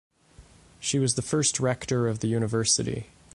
She was the first rector of the university.